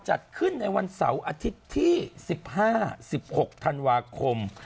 จัดขึ้นในวันเสาร์อาทิตย์ที่๑๕๑๖ธันวาคม